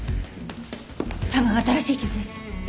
多分新しい傷です。